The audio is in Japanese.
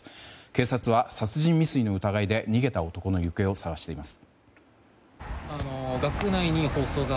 警察は、殺人未遂の疑いで逃げた男の行方を捜しています。